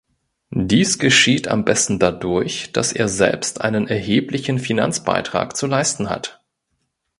Dies geschieht am besten dadurch, dass er selbst einen erheblichen Finanzbeitrag zu leisten hat.